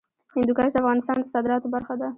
هندوکش د افغانستان د صادراتو برخه ده.